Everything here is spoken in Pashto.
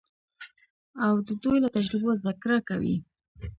او د دوی له تجربو زده کړه کوي.